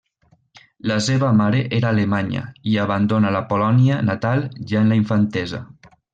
La seva mare era alemanya i abandona la Polònia natal ja en la infantesa.